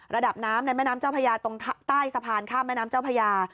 ระดับน้ำในแม่น้ำเจ้าพญาตรงใต้สะพานข้ามแม่น้ำเจ้าพญา